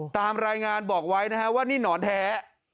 ตามรายงานบอกไว้นะฮะว่านี่หนอนแท้